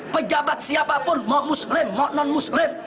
pejabat siapapun mau muslim mau non muslim